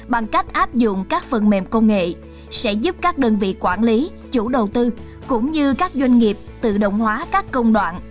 bằng cách áp dụng các phần mềm công nghệ sẽ giúp các đơn vị quản lý chủ đầu tư cũng như các doanh nghiệp tự động hóa các công đoạn